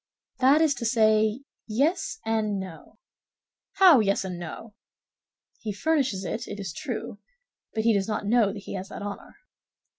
"That is to say, yes and no." "How yes and no?" "He furnishes it, it is true, but he does not know that he has that honor."